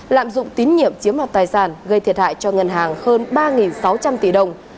lạm dụng tín nhiệm chiếm mọt tài sản gây thiệt hại cho ngân hàng hơn ba sáu trăm linh tỷ đồng